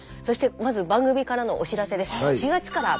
そしてまず番組からのお知らせです。